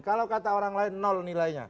kalau kata orang lain nol nilainya